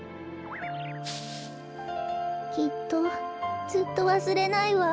きっとずっとわすれないわ。